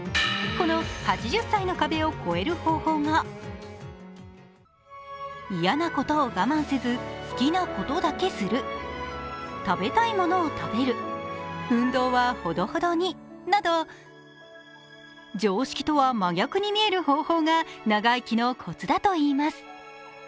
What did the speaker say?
この８０歳の壁を越える方法が嫌なことを我慢せず好きなことだけする、食べたいものを食べる、運動はほどほどになど常識とは真逆に見える方法が長生きのコツだといいます。